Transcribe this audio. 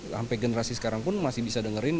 sampai generasi sekarang pun masih bisa dengerin